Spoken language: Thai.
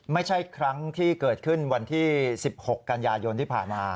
ไม่ใช่ครั้งที่เกิดขึ้นวันที่๑๖กันยายนที่ผ่านมา